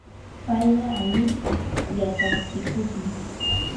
payqa ali yachachikuqmi.